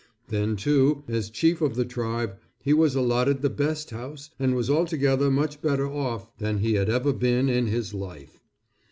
Then, too, as chief of the tribe, he was allotted the best house, and was altogether much better off than he had ever been in his life.